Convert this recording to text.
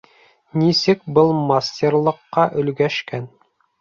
Нисек был мастерлыҡҡа өлгәшкән?